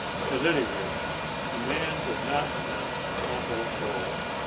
At any rate, the man did not let Mappo go.